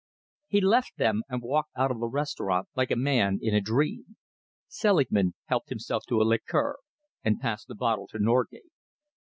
He left them and walked out of the restaurant like a man in a dream. Selingman helped himself to a liqueur and passed the bottle to Norgate.